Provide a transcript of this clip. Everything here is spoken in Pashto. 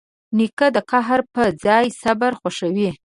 نیکه د قهر پر ځای صبر خوښوي.